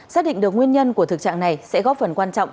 xác định được nguyên nhân của thực trạng này sẽ góp phần quan trọng